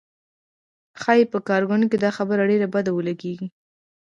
ښایي پر کارنګي دا خبره ډېره بده ولګېږي